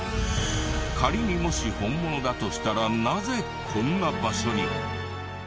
仮にもし本物だとしたらなぜこんな場所に？